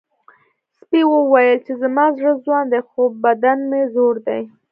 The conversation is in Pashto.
سپي وویل چې زما زړه ځوان دی خو بدن مې زوړ دی.